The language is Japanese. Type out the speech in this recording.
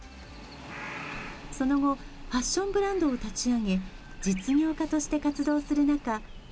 その後ファッションブランドを立ち上げ実業家として活動する中